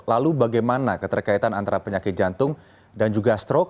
lalu bagaimana keterkaitan antara penyakit jantung dan juga stroke